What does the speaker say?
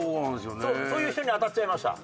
そういう人に当たっちゃいました？